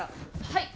はい。